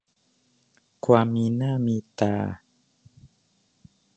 ความมีหน้ามีตา